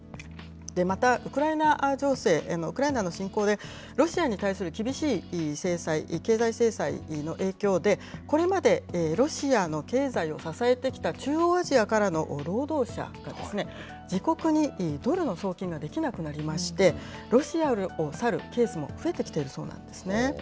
またウクライナ情勢、ウクライナ侵攻で、ロシアに対する厳しい制裁、経済制裁の影響で、これまでロシアの経済を支えてきた中央アジアからの労働者が、自国にドルの送金ができなくなりまして、ロシアを去るケースも増えてきているそうなんですね。